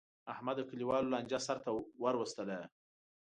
احمد د کلیوالو لانجه سرته ور وستله.